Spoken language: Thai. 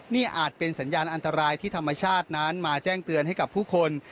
นี่อาจเป็นสัญญาณอันตรายที่ธรรมชาตินั้นมาแจ้งเตือนให้กับผู้คน